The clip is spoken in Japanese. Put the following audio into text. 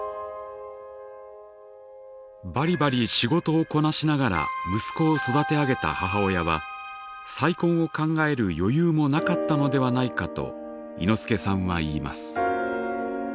バリバリ仕事をこなしながら息子を育て上げた母親は再婚を考える余裕もなかったのではないかといのすけさんは言います。